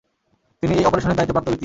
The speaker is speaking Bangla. তিনি এই অপারেশনের দায়িত্বপ্রাপ্ত ব্যক্তি।